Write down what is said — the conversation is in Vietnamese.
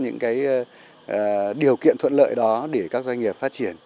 những điều kiện thuận lợi đó để các doanh nghiệp phát triển